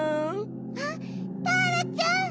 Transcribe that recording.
あっターラちゃん！